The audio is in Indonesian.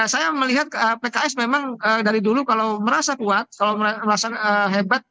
saya melihat pks memang dari dulu kalau merasa kuat kalau merasa hebat